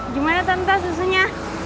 gimana tante susunya